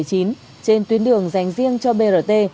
trên tuyến đường dành riêng cho brt